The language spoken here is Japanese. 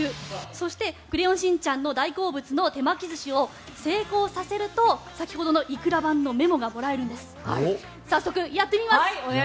そして「クレヨンしんちゃん」の大好物の手巻き寿司を成功させると先ほどのイクラ版のメモがもらえるんです。